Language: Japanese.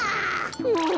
もう。